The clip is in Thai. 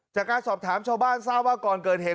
จากการสอบถามชาวบ้านทราบว่าก่อนเกิดเหตุ